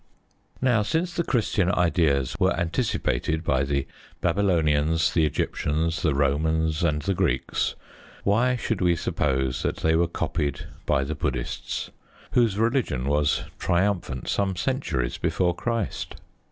Now, since the Christian ideas were anticipated by the Babylonians, the Egyptians, the Romans, and the Greeks, why should we suppose that they were copied by the Buddhists, whose religion was triumphant some centuries before Christ?